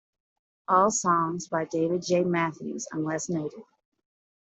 All songs by David J. Matthews unless noted.